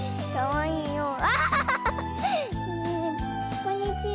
こんにちは。